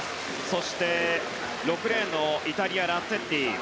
そして、６レーンのイタリアラッツェッティ。